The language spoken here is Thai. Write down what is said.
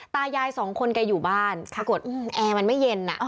ตายายสองคนแกอยู่บ้านปรากฏแอร์มันไม่เย็นอ่ะ